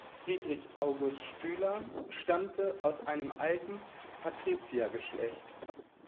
Friedrich August Stüler stammte aus einem alten Patriziergeschlecht.